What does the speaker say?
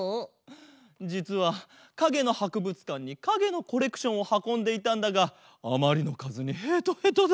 じつはかげのはくぶつかんにかげのコレクションをはこんでいたんだがあまりのかずにヘトヘトだ。